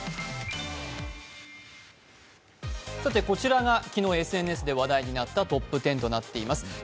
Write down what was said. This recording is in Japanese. こちらが昨日、ＳＮＳで話題になったトップ１０となっています。